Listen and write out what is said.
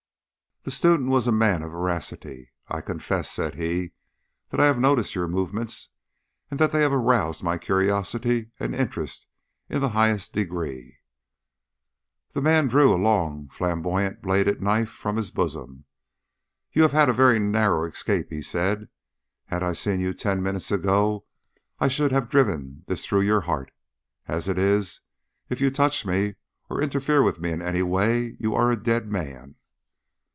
The student was a man of veracity. "I confess," said he, "that I have noticed your movements, and that they have aroused my curiosity and interest in the highest degree." The man drew a long flamboyant bladed knife from his bosom. "You have had a very narrow escape," he said; "had I seen you ten minutes ago, I should have driven this through your heart. As it is, if you touch me or interfere with me in any way you are a dead man."